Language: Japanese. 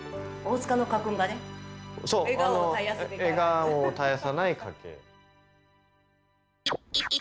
「笑顔を絶やさない家庭」。